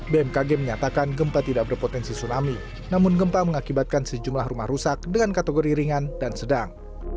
bmkg menyatakan gempa tidak berpotensi tsunami namun gempa mengakibatkan sejumlah rumah rusak dengan kategori ringan dan sedang